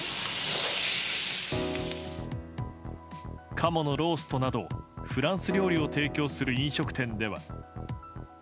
鴨のローストなどフランス料理を提供する飲食店では。